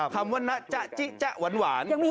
คำว่านะจ๊ะจิจ๊ะหวาน